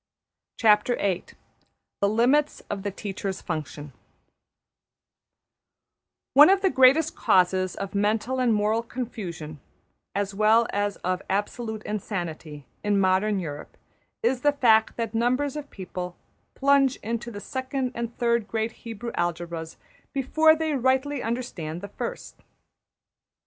\chapter{The Limits of the Teacher's Function} One of the greatest causes of mental and moral confusion, as well as of absolute insanity, in modern Europe, is the fact that numbers of people plunge into the second and third great Hebrew algebras before they rightly understand the first.